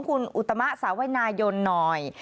คุณอุตมะสาวนายนหน่อย